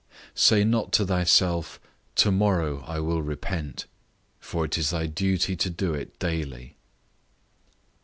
Say not to thyself, to morrow I will repent; for it is thy duty to do it daily.